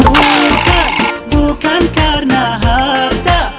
bukan bukan karena harta